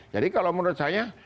jadi kalau menurut saya